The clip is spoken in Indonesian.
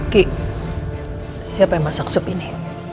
kik siapa yang masak sup ini